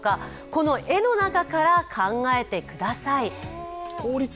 この絵の中から考えてください。